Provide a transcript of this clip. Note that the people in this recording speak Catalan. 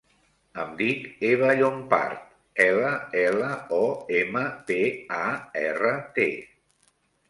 Em dic Eva Llompart: ela, ela, o, ema, pe, a, erra, te.